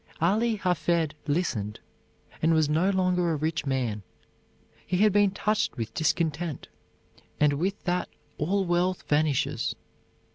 Ali Hafed listened, and was no longer a rich man. He had been touched with discontent, and with that all wealth vanishes.